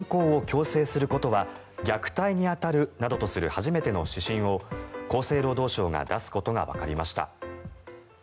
宗教２世に信仰を強制することは虐待に当たるなどとする初めての指針を厚生労働省が出すことがわかりました。